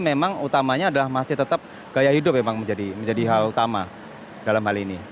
memang utamanya adalah masih tetap gaya hidup memang menjadi hal utama dalam hal ini